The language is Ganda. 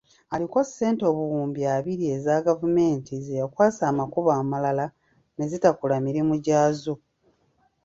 Aliko ssente obuwumbi abiri eza gavumenti ze yakwasa amakubo amalala nezitakola mirimu gyazo.